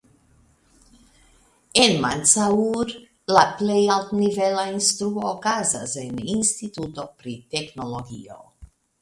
En Mandsaur la plej altnivela instruo okazas en instituto pri teknologio.